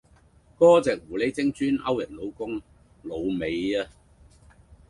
個隻狐狸精專勾人老公老尾呀！